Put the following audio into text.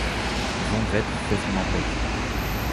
Jondrette fait son emplette